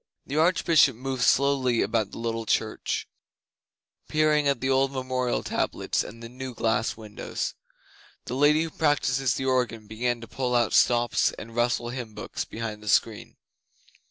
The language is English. The Archbishop moved slowly about the little church, peering at the old memorial tablets and the new glass windows. The Lady who practises the organ began to pull out stops and rustle hymn books behind the screen.